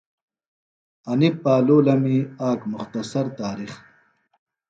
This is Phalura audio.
انی پالولمی آک مختصر تارِخ